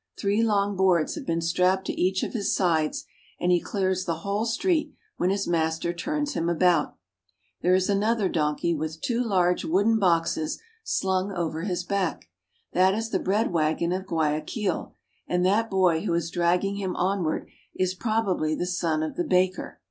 Three long boards have been strapped to each of his sides, and he clears the whole street when his master turns him about. There is another donkey LAND OF THE EQUATOR. 41 with two large wooden boxes slung over his back. That is the bread wagon of Guayaquil, and that boy who is dragging him on ward is probably the son of the baker.